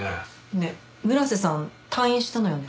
ねえ村瀬さん退院したのよね？